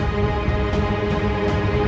siapa yang ada di dalam kuburan